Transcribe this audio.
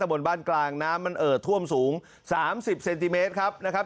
บนบ้านกลางน้ำมันเอ่อท่วมสูง๓๐เซนติเมตรครับนะครับ